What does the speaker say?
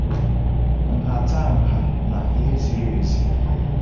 nhatanha na ihe ziri ezi